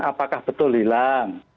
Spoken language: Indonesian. apakah betul hilang